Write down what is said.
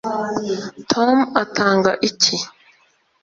tom atanga iki